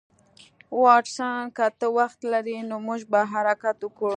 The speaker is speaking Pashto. واټسن که ته وخت لرې نو موږ به حرکت وکړو